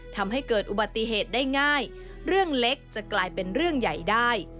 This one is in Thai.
ทำให้เกิดอุบัติเหตุได้ง่ายเรื่องเล็กจะกลายเป็นเรื่องใหญ่ได้